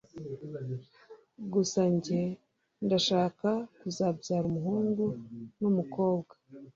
Gusa njye ndashaka kuzabyara umuhungu n’umukobwa